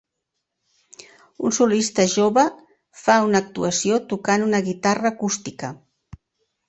Un solista jove fa una actuació tocant una guitarra acústica.